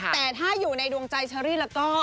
แต่ถ้าอยู่ในดวงใจเชอรี่แล้วก็